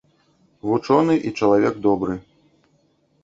Вучоны і чалавек добры.